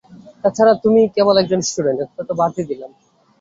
তাছাড়া তুমি কেবল একজন স্টুডেন্ট একথা তো বাদই দিলাম।